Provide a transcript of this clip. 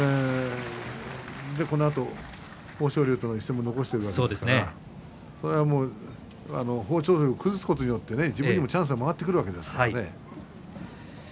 このあと豊昇龍との一戦も残しているわけですから豊昇龍を崩すことによって自分にもチャンスが回ってきますからね。